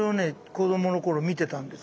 子どもの頃見てたんです。